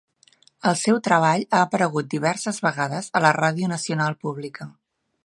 El seu treball ha aparegut diverses vegades a la ràdio nacional pública.